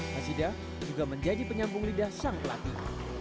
hasida juga menjadi penyambung lidah sang pelatih